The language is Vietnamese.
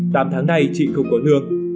tám tháng nay chị không có hương